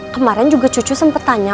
kemarin juga cucu sempat tanya